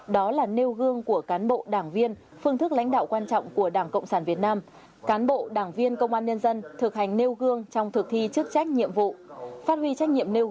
đó là nêu gương của cán bộ đảng viên phương thức lãnh đạo quan trọng của đảng cộng sản việt nam